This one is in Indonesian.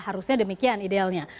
harusnya demikian idealnya